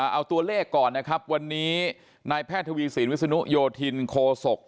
เอาตัวเลขก่อนนะครับวันนี้นายแพทย์ทวีสินวิศนุโยธินโคศก